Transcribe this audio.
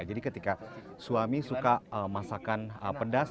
jadi ketika suami suka masakan pedas